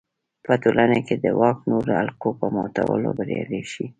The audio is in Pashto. په ټولنه کې د واک نورو حلقو په ماتولو بریالی شي.